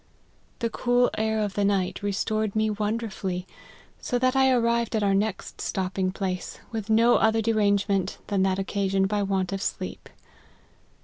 The cool air of the night restored me wonderfully, so that I arrived at our next stop ping place, with no other derangement than that occasioned by want of sleep.